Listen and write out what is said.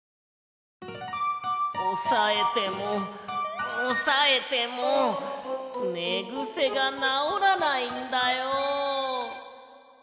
おさえてもおさえてもねぐせがなおらないんだよ。